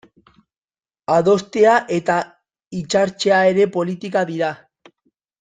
Adostea eta hitzartzea ere politika dira.